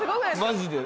マジで？